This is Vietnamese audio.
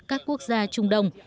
các quốc gia trung đông